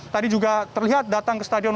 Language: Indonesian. tadi juga terlihat datang ke stadion